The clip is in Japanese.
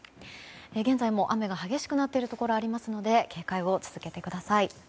現在も雨が激しくなっているところがありますので警戒を続けてください。